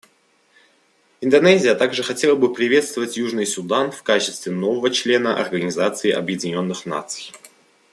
Индонезия также хотела бы приветствовать Южный Судан в качестве нового члена Организации Объединенных Наций.